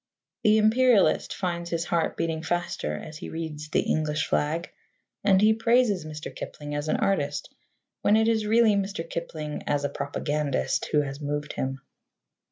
The Imperialist finds his heart beating faster as he reads The English Flag, and he praises Mr. Kipling as an artist when it is really Mr. Kipling as a propagandist who has moved him.